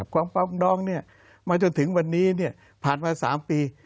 ความปองดองมาจนถึงวันนี้ผ่านมาสามปี